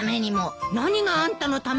何があんたのためなのよ。